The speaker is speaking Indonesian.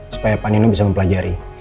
supaya pak nino bisa mempelajari